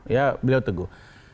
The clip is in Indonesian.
ya beliau teguh